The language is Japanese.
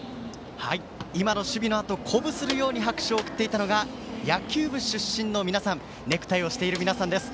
今の守備のあと鼓舞するように拍手を送っていたのが野球部出身の皆さんネクタイをしている皆さんです。